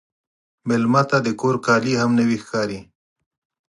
مېلمه ته د کور کالي هم نوی ښکاري.